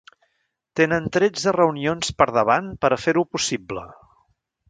Tenen tretze reunions per davant per a fer-ho possible.